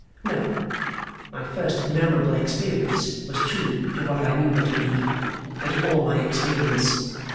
No; my first memorable experience was true to what I knew her to be, and to all my experience.